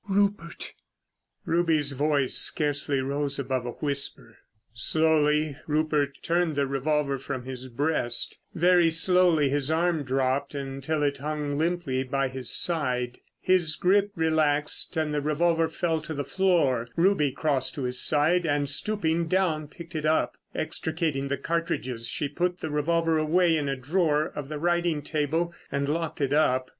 "Rupert!" Ruby's voice scarcely rose above a whisper. Slowly Rupert turned the revolver from his breast. Very slowly his arm dropped until it hung limply by his side. His grip relaxed and the revolver fell to the floor. Ruby crossed to his side, and, stooping down, picked it up. Extricating the cartridges, she put the revolver away in a drawer of the writing table and locked it up.